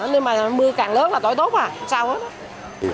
nên mà mưa càng lớn là tỏi tốt mà sao hết